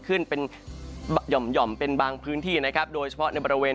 ขึ้นเป็นหย่อมเป็นบางพื้นที่นะครับโดยเฉพาะในบริเวณ